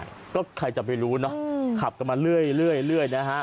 ก็ใครจะไปรู้เนอะขับกันมาเรื่อยนะฮะ